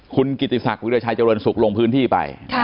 คุณกิติศักดิราชัยเจริญสุขลงพื้นที่ไป